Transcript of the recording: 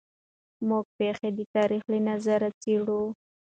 موږ پېښې د تاریخ له نظره څېړو.